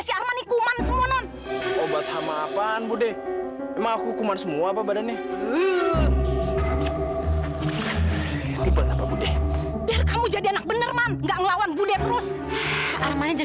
sampai jumpa di video selanjutnya